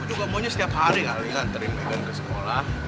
gue juga maunya setiap hari kali anterin megan ke sekolah